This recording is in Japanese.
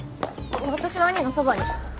私は義兄のそばに。